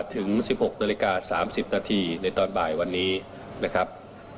ถึง๑๖นาฬิกา๓๐นาทีในตอนบ่ายวันนี้นะครับ